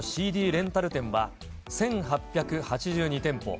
レンタル店は１８８２店舗。